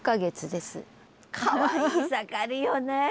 かわいい盛りよね